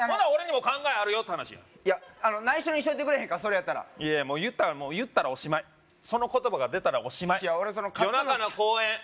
俺にも考えあるよって話やいや内緒にしといてくれへんかそれやったらいやいやもう言ったらもう言ったらおしまいその言葉が出たらおしまいいや俺その夜中の公園